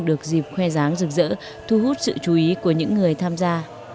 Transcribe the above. được dịp khoe giáng rực rỡ thu hút sự chú ý của những người tham gia